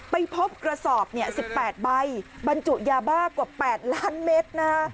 ไปพบกระสอบ๑๘ใบบรรจุยาบ้ากว่า๘ล้านเมตรนะฮะ